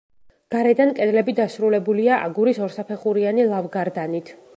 გარედან კედლები დასრულებულია აგურის ორსაფეხურიანი ლავგარდანით.